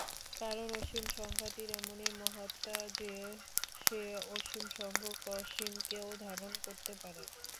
কারণ অসীম সংখ্যাটির এমনই মাহাত্ম্য যে, সে অসীমসংখ্যক অসীমকেও ধারণ করতে পারে।